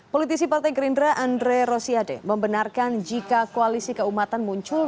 politisi partai gerindra andre rosiade membenarkan jika koalisi keumatan muncul